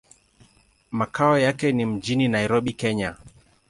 Makao yake ni mjini Nairobi, Kenya.